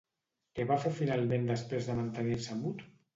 Què va fer finalment després de mantenir-se mut?